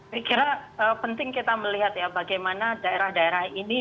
saya kira penting kita melihat ya bagaimana daerah daerah ini